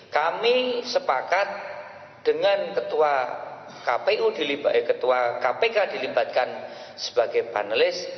kami sepakat dengan ketua kpk dilibatkan sebagai panelis